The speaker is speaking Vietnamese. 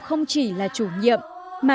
không chỉ là chủ nhiệm